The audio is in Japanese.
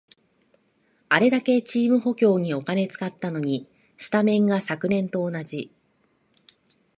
あれだけチーム補強にお金使ったのに、スタメンが昨年と同じ